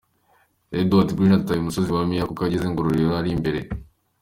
h': Edward Green atwaye umusozi wa Myiha kuko ageze Ngororero ari imbere.